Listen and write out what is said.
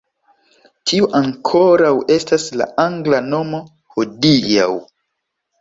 Tiu ankoraŭ estas la angla nomo hodiaŭ.